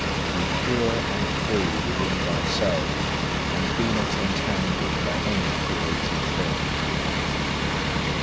5. Be pure and free within thyself, and be not entangled by any created thing.